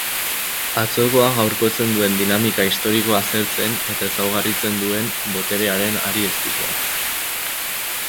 Atzokoa gaurkotzen duen dinamika historikoa zertzen eta ezaugarritzen du boterearen hari ezkutuak.